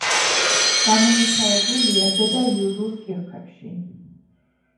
გამომუშავებულია ზედაიურულ კირქვებში.